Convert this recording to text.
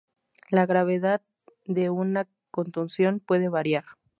La gravedad de una contusión puede variar.